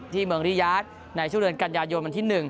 เมืองริยาทในช่วงเดือนกันยายนวันที่๑